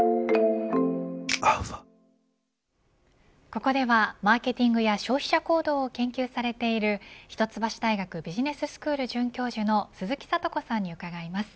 ここではマーケティングや消費者行動を研究されている一橋大学ビジネススクール准教授の鈴木智子さんに伺います。